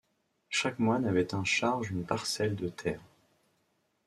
Chaque moine avait un charge une parcelle de terre.